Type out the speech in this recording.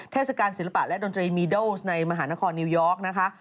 เทศกาลศิลปะและดนตรีมีดัลในมหานครนิวยอร์กนะคะ